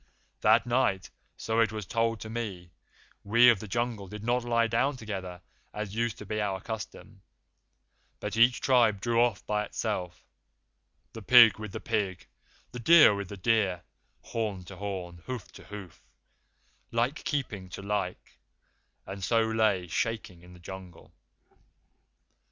That night, so it was told to me, we of the Jungle did not lie down together as used to be our custom, but each tribe drew off by itself the pig with the pig, the deer with the deer; horn to horn, hoof to hoof, like keeping to like, and so lay shaking in the Jungle.